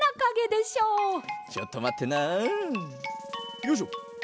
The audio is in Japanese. よいしょ。